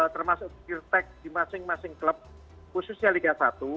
termasuk firtek di masing masing klub khususnya liga satu